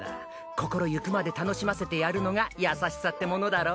心行くまで楽しませてやるのが優しさってものだろ。